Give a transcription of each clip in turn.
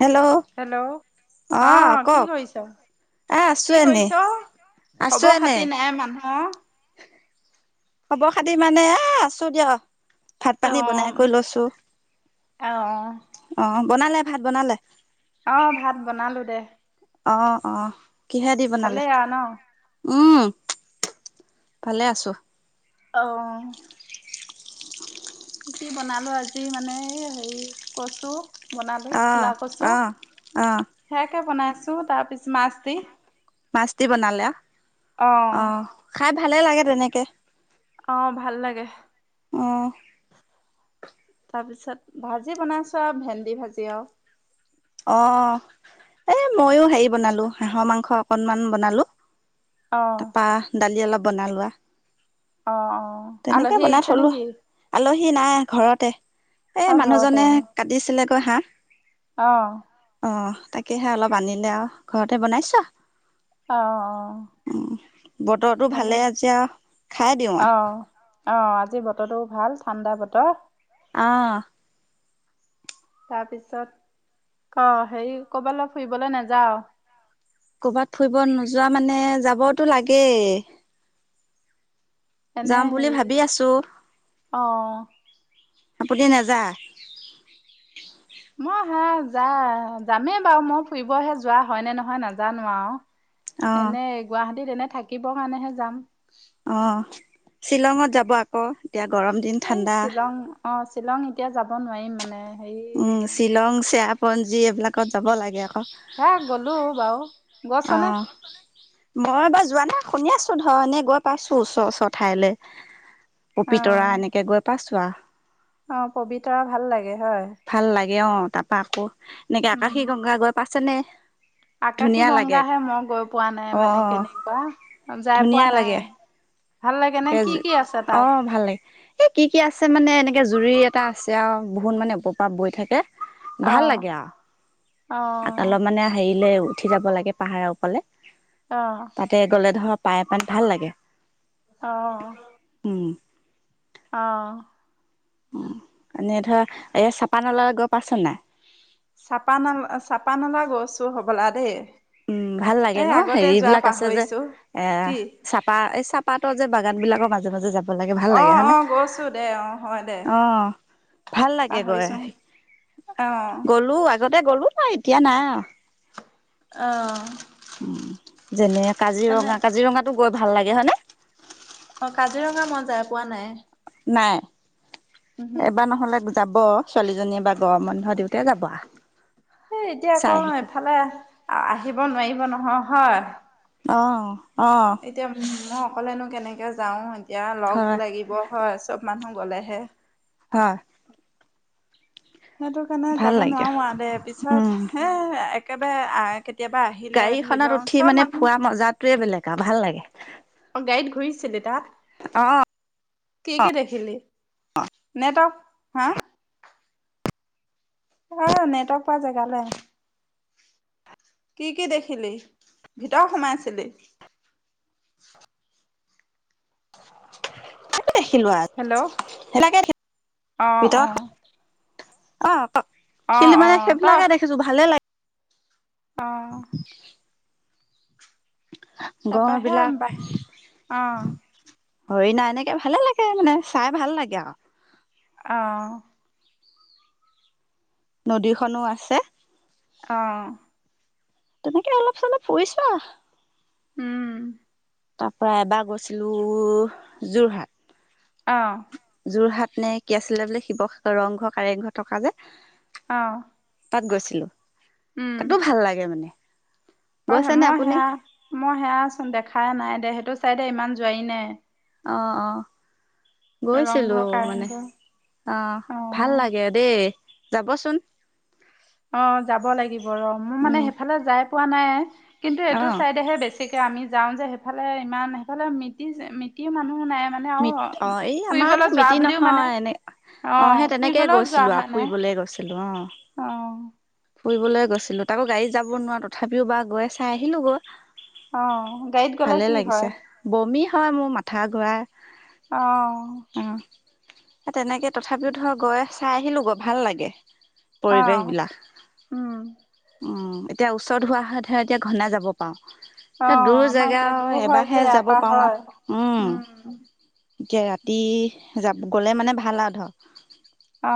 Hello hello অ কি কৰিছ এ আছো কি এনে কৰিছ আছো খবৰ এনে খাতি নাই মানুহ খব খাতি মানে এ [inaudible] ভাত পানী বনাই অ' কৈ লৈছো অ' অ বনালে ভাত বনালে অ' ভাত বনালো দে অ অ কিহে দি বনালে? ভালেই আৰু ন? উম' ভালে আছোঁ। অ' [unintelligible] কি বনালো আজি মানে এ হেৰি কচু বনালো আহ ক'লা কচু আহ আহ সেয়াকে বনাইছো তাৰ পিছত মাছ দি। মাচ দি বনালে অ খাই ভালে লাগে। তেনেকে অ ভাল লাগে। অঁ। তাৰপিছত ভাজি বনাইছো আৰু ভেন্দি ভাজি আৰু। অ এ মইয়ো হেৰি বনালো হাঁহৰ মাংস অকনমান বনালো। অ'। তাৰপা দালি অলপ বনালো আৰু। অ অ আলহী আহিছে নেকি? আলহী নাই ঘৰতে। এ অ' মানুহজনে কাটিছিলে। [inaudible] আহ। অ তাকেহে অলপ আনিলে আৰু ঘৰতে বনাইছোঁ আৰু। অঁ অঁ। [inaudible] বতৰতো ভালে আজি আৰু খাই দিওঁ অ আহ। অ আজি বতৰটো ভাল ঠাণ্ডা বতৰ। আহ। তাৰপিছত অ হেৰি ক'ৰবালে অ হেৰি ফুৰিবলে নেযাও? কৰ'বাত ফুৰিব নোযোৱা মানে যাবতো লাগেই। এনে যাম বুলি হেৰি ভাবি আছো। অ আপুনি নাযাই? মই হা যা যামেই বাৰু মই ফুৰিবহে যোৱা হয় নে নহয় নাজানো আও। অ', এনেই গুৱাহাটী তেনে থাকিবৰ কাৰণেহে যাম। অৱ শ্বিলঙত যাব আক। এতিয়া গৰম দিন এই ঠাণ্ডা। শ্বিলং অ শ্বিলং এতিয়া যাব নোৱাৰিম মানে। হেৰি উম শ্বিলং চেৰা পঞ্জী এইবিলাকত যাব লাগে আও। হে গলো বাও, গৈছনে? মইবাৰ যোৱা নাই শুনি আছো ধৰ এনে গৈ পাইছো ওচৰ ওচৰ ঠাইলে। অ পবিতৰা এনেকে গৈ পাইছো। [unintelligible] অ পবিতৰা ভাল লাগে। হয়? এও তাৰপৰা আকৌ এনেকে উম আকাশী গংগা গৈ পাই [unintelligible] যেনে আকাশী গংগাহে মই গৈ পোৱা নাই মানে অঁ কেনেকুৱা যাই পোৱা ধুনীয়া নাই, লাগে ভাল লাগে নে কি কি আছে তাত? অঁ ভাল লাগে এই কি কি আছে মানে এনেকে জুৰি এটা আছে আৰু বহুত মানে ওপৰৰ পৰা বৈ থাকে। অ ভাল লাগে অ আৰু অলপ মানে হেৰিলে উঠি যাব লাগে, পাহাৰৰ ওপৰলে। অ তাতে গ'লে ধৰক পায় [unintelligible] ভাল লাগে। অ'। উম। অ'। এনেই ধৰা এই চাপানলা গৈ পাইছা নাই? চাপান-চাপানলা গৈছোঁ হ'বলা দেই। উম, ভাল লাগে এই ন' আগতে যোৱা হেৰিবিলাক আছে যে, পাহৰিছো এ কি চাপা-এই চাপাত যে বাগান বিলাকৰ মাজে, মাজে যাব লাগে ভাল অ লাগে হয়নে? অ গৈছো দে অ হয় দে অ', ভাল লাগে গৈ, পাহৰিছো অ গ'লো আগতে গ'লো ন' এতিয়া নাই আৰু। অ' উম, যেনে এনে কাজিৰঙা, কাজিৰঙাটো গৈ ভাল লাগে হয়নে? অ কাজিৰঙা মই যাই পোৱা নাই উহু নাই। এবাৰ নহ'লে যাব, ছোৱালীজনীয়ে বা গৰমৰ বন্ধ দিওঁতেই যাব আ এই এতিয়া আকৌ চাই আহিব এফালে আহিব নোৱাৰিব নহয়। হয়। অ'। এতিয়া মই অকলেনো কেনেকে এতিয়া যাওঁ ইয়াৰ লগ হয় লাগিব হয় চব মানুহ কলেহে হয়। সেইটো কাৰণে ভাল যাব লাগে নোৱাৰো আৰু দে পিছত এ একেবাৰে আহ গাড়ী খনত উঠি মানে ফুৰা মজাটোয়ে বেলেগ [unintelligible] লাগে অ গাড়ীত ঘূৰিছিলে তাত অ কি কি দেখিলি নেটৱৰ্ক হা অ নেটৰ পৰা জেগালে আহ কি কি দেখিলি ভিতৰ সোমাইছিলি [unintelligible] কি দেখিলোৱা হেল্ল' সেনেকে অ অ ভিতৰত অ অ খেলি অ মানে সেইবিলাকে দেখিছো ভালে লাগে আহ গড় তাৰপাহে বিলাক বাই অ হৰিণাই এনেকে ভালে লাগে মানে চাই ভাল লাগে আৰু আহঁ নদীখনো আছে আহ তেনেকে অলপ চলপ ফুৰিছো উম তাপা এবাৰ গৈছিলো যোৰহাট অঁ। যোৰহাট নে কি আছিলে বোলে শিৱসাগ ৰংঘৰ কাৰেংঘৰ থকা যে। অ তাতো গৈছিলো, উম তাতো ভাল লাগে মানে। অ গৈছেনে মই আপুনি সেয়া মই সেয়াচোন দেখাই নাই। দে সেইটো চাইদে ইমান যোৱাই নাই। অঁ অঁ। গৈছিলো ৰংঘৰ মানে, কাৰেংঘৰ আহ অ ভাল লাগে দেই। যাবচোন। অঁ যাব লাগিব ৰ মোৰ মানে উম সেইফালে যায় পোৱা নাই। কিন্তু অ এইটো চাইডেহে বেছি ছিকে আমি যাওঁ যে সেইফালে ইমান সেইফালে মিতি মিতি মানুহ নাই মানে আৰু মিত অ এই আমাৰ ফুৰিবলৈ ধৰ যোৱা মিতি বুলিও মানে নহয় এনে অ সেই তেনেকেই ফুৰিবলৈও যোৱা গৈছিলো হোৱা আও, নাই ফুৰিবলে গৈছিলো অঁ। অ ফুৰিবলে গৈছিলো তাকো গাড়ীত যাব নোৱাৰো তথাপিও বা গৈ চাই আহিলো গৈ। অঁ গাড়ীত গ'লে ভালে কি লাগিছে হয়? বমি হয় মোৰ মাথা ঘোৰাই। অ'। হে তেনেকে তথাপিও ধৰ গৈ চাই আহিলো ক ভাল লাগে। অ পৰিৱেশ বিলাক। উম এতিয়া ওচৰত হোৱা হয় ধৰ এতিয়া ঘনে যাব পাও অ আমা এতিয়া ডো হয় এবাৰহে যে যাব এপাহ পাৰো আৰু হয় উম। এতিয়া ৰাতি যাব গ'লে মানে ভাল আও ধৰ অ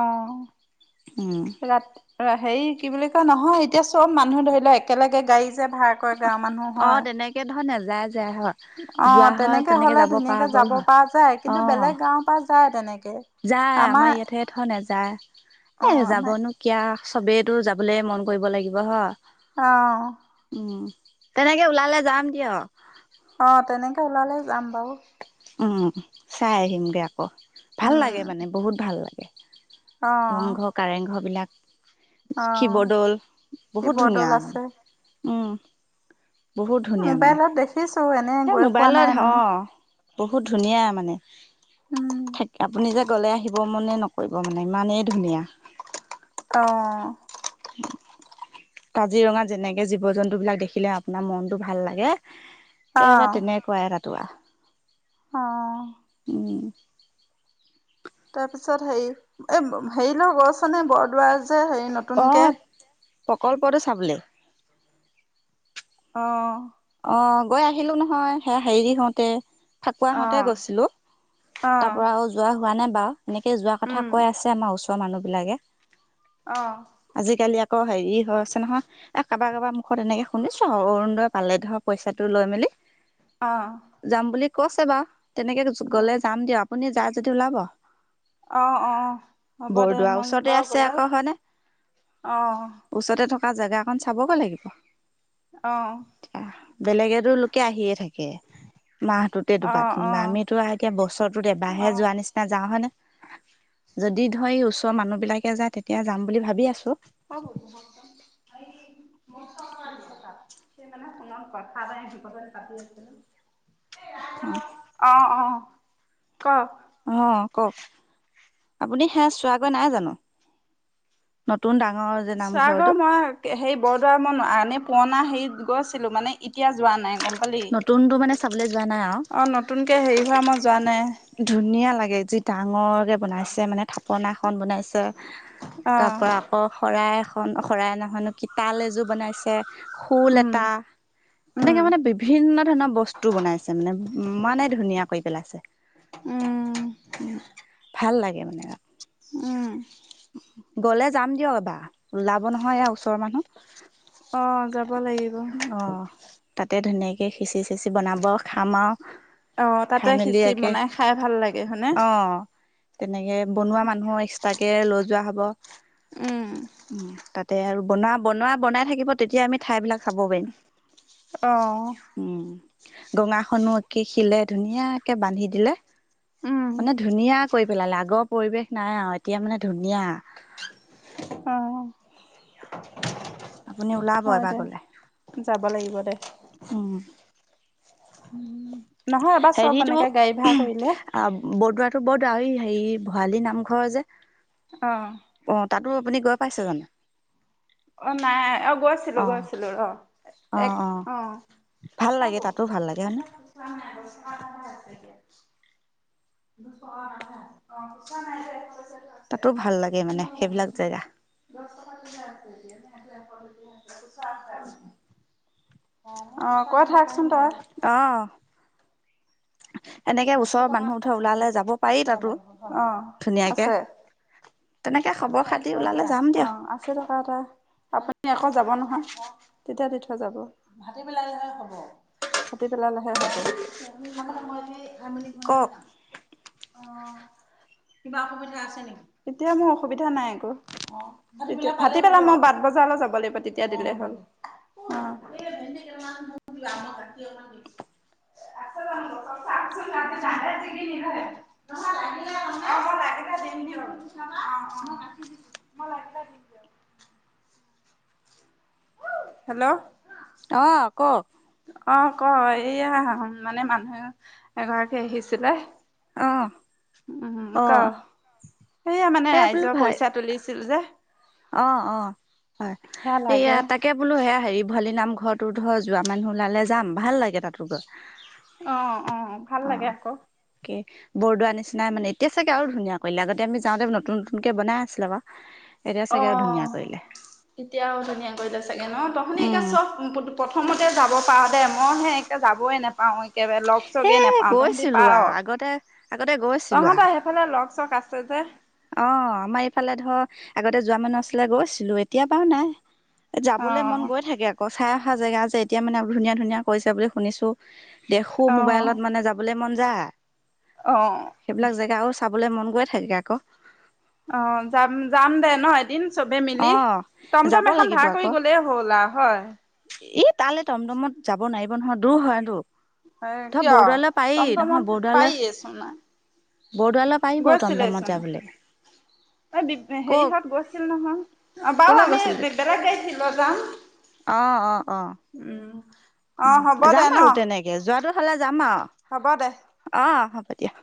উ ৰাতি হেৰি কি বুলি কয় নহয় এতিয়া চব মানুহ ধৰি লও একেলগে গাড়ী যে ভ় ক গাৱৰ মানুহ হয়। ৰাজ অ তেনেকে হলে পৰা ধুনীয়াকে গ'ল যাব হয় পৰা যায় অ কিন্তু বেলেগ গাওৰ পৰা যায় তেনেকে। যায় আমাৰ ইয়াতে থ নেযায় এ অ' আমাৰ যাবনো কিয় চবেইতো যাবলৈ মন কৰিব লাগিব হ আহ উ তেনেকে ওলালে যাম দিয় অ তেনেকে ওলালে যাম বাৰু চাই আহিমগৈ আকৌ ভাল লাগে উম মানে বহুত ভাল লাগে অ' ৰংঘৰ কাৰেংঘৰ বিলাক অ' শিৱদল বহুত ধুনীয়া শিৱদৌল আছে উম বহুত ধুনীয়া মানে ত এনে সেই গৈ পোৱা মোবাইলত নাই মানে অঁ বহুত ধুনীয়া মানে উম থাক আপুনি যে গলে আহিব মানে নকৰিব মানে ইমানেই ধুনীয়া আহ কাজিৰঙা যেনেকে জীৱ জন্তু বিলাক দেখিলে আপোনাৰ মনটো ভাল লাগে একেৱা অ' তেনেকুৱাই তাত কুটুৱা অ' উম। তাৰপিছত হেৰি এ হেৰি লৰ গছ এনে বৰদোৱা অঁ প্ৰকল্পটো চাবলৈ। অঁ। অঁ গৈ আহিলো নহয় সেয়া হেৰি হওঁতে। ফাকুৱ অ হঁতে গৈছিলো, অ তাৰ পৰা আৰু যোৱা হোৱা নাই বা এনেকে যোৱা কথা কৈ আছে আমাৰ ওচৰত ৰ মানুহ বিলাকে অঁ। আজিকালি আকৌ হেৰি হৈ আছে নহয় কাৰবাৰ-কাৰবাৰ মুখত এনেকে শুনিছো আৰু অৰুণোদয় পালে ধৰ পইচাটো লৈ মেলি অঁ। যাম বুলি কৈছে বাও। তেনেকে কৈছোঁ গ'লে যাম দিয়ক। আপুনি যায় যদি ওলাব। অ'- অ' হ'ব দে, বৰদোৱাৰ মানুহ ওচৰতে বাও আছে গ'লে আকৌ হয়নে অ'। কা জেগা অকন চাবগৈ লাগিব। অঁ। এতিয়া বেলেগেতো লোকে আহিয়ে থাক কে, মাহটোতে অ অ দুবাৰ তিনিবাৰ, আমিতো আও এতিয়া বছৰটোত অ এবাৰহে যোৱা নিচিনা যাওঁ হয় নে। যদি ধৰ ওচৰৰ মানুহ বিলাকে যায় তেতিয়া যাম বুলি ভাবি আছো। অ [unintelligible] অঁ-অঁ। ক। অঁ কওক, আপুনি সেয়া চোৱাগৈ নাই জানো নতুন ডাঙৰ যে চুৱাগৈ নামঘৰটো নাই, হেৰি বৰদোৱা [unintelligible] পুৰনা হেৰিত গৈছিলো মানে এতিয়া যোৱা নাই গম পালি নতুনটো মানে চাবলৈ যোৱা নাই আৰু অ নতুনকে হেৰি হোৱা মই যোৱা নাই ধুনীয়া লাগে যি ডাঙৰকে বনাইছে মানে থাপনা এখন বনাইছে তাৰ অ পৰা আকৌ শৰাই এখ খন শৰাই নহয় ন কি তাল এযোৰ বনাইছে খোল উম এটা তেনেকে উম মানে বিভিন্ন ধৰণৰ বস্তু বনাইছে মানে ইমানেই ধুনীয়া কৰি পেলাইছে, উম উম। ভাল লাগে মানে। উম। গ'লে যাম দিয়ক এবাৰ, ওলাব নহয় ইয়াৰ ওচৰৰ মানুহ। অঁ যা অঁ তাতে ধুনীয়াকে কে সিছি বেছি বনাব খাম আৰু অ তাতে খাই মেলি খিচিৰি একে, বনাই খাই ভাল লাগে হয়নে অঁ। এনেকে বনোৱা মানুহৰ এক্সট্ৰা কে লৈ যোৱা হ উম [inaudible] উম তাতে আৰু বনোৱা বনোৱা বনাই থাকিব তেতিয়া আমি ঠাইবিলাক চাব পাৰিম অৱ। গঙা খনো একে শিলে ধুনীয়াকে বান্ধি দিলে। উম। মানে ধুনীয়া কৰি পেলালে আগৰ পৰিৱেশ নাই আৰু এতিয়া মানে ধুনীয়া। অৱ। আপুনি ওলাব এবাৰ গলে, যাব লাগিব দে উম। [unintelligible] এবাৰ চব হেৰিতো, এনেকে গাড়ী ভাড়া কৰিলে বদোৱাটো বদ [unintelligible] হেৰি ভৰালি নামঘৰ যে অৱ। তোৰ আপুনি গৈ পাইছে জানো? অ' নাই, অ' গৈছিলো গৈছিলো ৰ। এক, অ' ভাল লাগে তাতো ভাল লাগে হয়নে [unintelligible] [unintelligible] তাতো ভাল লাগে মানে সেইবিলাক জেগা। অ' কৈ থাকচোন তই। অঁ। অ' আছে, তাতো ধুনীয়াকে তেনেকে অ' খবৰ খাতি ওলালে যাম দিয়ক আশী টকা এটা আপুনি আকৌ যাব নহয়। তেতিয়া দি থৈ যাব, ভতিবেলালৈহে হ'ব ভাতিবেলালৈহে হ'ব তাৰমানে মই এতিয়া। যাম বুলি কোৱা কওক নাই। অ কিবা অসুবিধা আছে নেকি এতিয়া মোৰ অসুবিধা নাই একো অ ভাটি বেলা মই বাট বজাৰলৈ যাব লাগিব তেতিয়া দিলেই হল অ [inaudible] নিলে দিম দই নিলে দিম দে [inaudible] হেল্ল'। অ কওক অ' ক এইয়া মানে মানুহ এগৰাকী আহিছিলে। অঁ। উম, ক সেইয়া মানে এ বোলো ৰাইজৰ ভাই পইচা তুলিছিল যে। অ অ হয় সেয়া এইয়া লাগে তাকে বোলো সেয়া হেৰি ভৱালি নামঘৰ হয়টো ধৰ যোৱা মানুহ ওলালে যাম ভাল লাগে তাতো গৈ অ অ ভাল অ লাগে আকৌ কে বৰদোৱা নিচিনা মানে এতিয়া চাগে আৰু ধুনীয়া কৰিলে আগতে আমি যাওঁতে নতুন নতুনকে বনাই আছিলে আকৌ অ এতিয়াও ধুনীয়া কৰিলে ছাগৈ ন আপুনি উম চব প্ৰথমতে যাব যাব পাৰ দে মই সেই একে যাবই নাপাওঁ। একবাৰে লগ এ চকেই নোপাও তহঁতি গৈছিলো পাৰ, আ আগতে আগতে গৈছিলো আ তহঁত সেইফালে লগ চক আছে যে। অ', আমাৰ এইফালে ধৰ আগতে যোৱা মানুহ আছিলে গৈছিলোঁ, এতিয়া বাৰু নাই। অ যাবলৈ মন গৈ থাকে আকৌ চাই অহা জেগা যে এতিয়া মানে ধুনীয়া ধুনীয়া কৰিছে বুলি শুনিছো। দেখো মোবাইলত মানে যাবলৈ মন য যা আহ। চাবলৈ মন গৈ থাকগে আকৌ। অ যাম যাম দে ন এদিন। চবে মিলি অ' যাব টমটম এখন লাগিব ভাৰা আকৌ কৰি গ'লেই হল আৰু হয়। ই তালৈ তমতমত যাব নোৱাৰিব নহয় দূৰ হয়টো। এ কিয় তমতমত বৰদোৱালৈ পায় আছো ন বৰদোৱালৈ পাৰিব টমটমত গৈছিলেচোন, যাবলৈ এই বি ক হেৰিহঁত গৈছিল নহয়। অ বও কলৈ আমি গৈছিলি বেলেগ গাড়ীত যাম উম। [inaudible] হ'ব উ দে যাম ন আৰু তেনেকে যোৱাটো হলে যাম হ'ব দে। আৰু অঁ। তেতিয়া